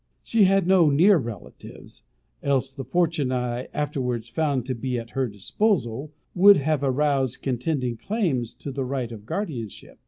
She had no near relatives, else the fortune I afterwards found to be at her disposal would have aroused contending claims to the right of guardianship.